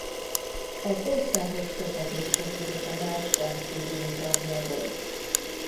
Az országos közegészségügyi tanács rendkívüli tagja volt.